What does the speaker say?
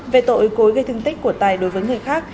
về tội cối gây thương tích của tài đối với người khác